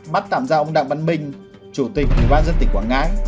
bắt tạm giam ông đặng văn minh chủ tịch ủy ban dân tịch quảng ngãi